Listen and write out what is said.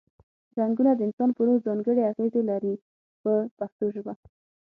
رنګونه د انسان په روح ځانګړې اغیزې لري په پښتو ژبه.